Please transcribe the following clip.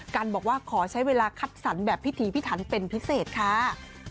กันบอกว่าขอใช้เวลาคัดสรรแบบพิธีพิถันเป็นพิเศษค่ะ